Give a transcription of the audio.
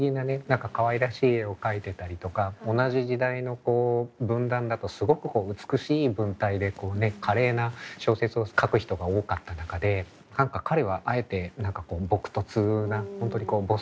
何かかわいらしい絵を描いてたりとか同じ時代の文壇だとすごく美しい文体で華麗な小説を書く人が多かった中で何か彼はあえて朴とつな本当にぼそぼそとしゃべるような素朴な文体。